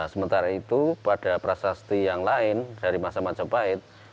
sementara itu pada prasasti yang lain dari masa majapahit